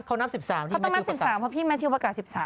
เขานับ๑๓เพราะพี่แมนทิวประกาศ๑๓มา